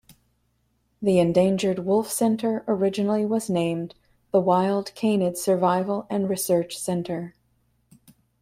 The Endangered Wolf Center originally was named the Wild Canid Survival and Research Center.